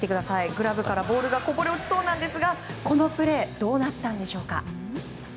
グラブからボールこぼれ落ちそうですがこのプレーどうなったんでしょうか。